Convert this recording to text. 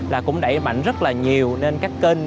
là cũng đẩy mạnh rất là nhiều lên các kênh